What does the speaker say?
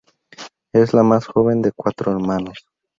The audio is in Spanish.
Es la más joven de cuatro hermanos.